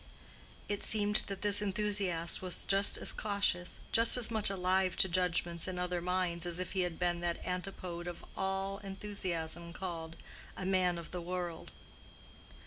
It seemed that this enthusiast was just as cautious, just as much alive to judgments in other minds as if he had been that antipode of all enthusiasm called "a man of the world."